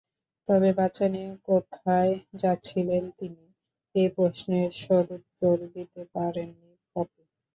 তবে বাচ্চা নিয়ে কোথায় যাচ্ছিলেন তিনি—এ প্রশ্নের সদুত্তর দিতে পারেননি পপি।